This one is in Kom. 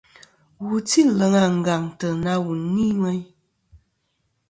Wu tî leŋ àngàŋtɨ na wù ni meyn.